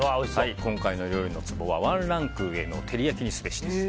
今回の料理のツボはワンランク上の照り焼きにすべし。